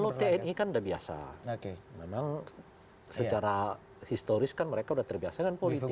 memang secara historis kan mereka udah terbiasa dengan politik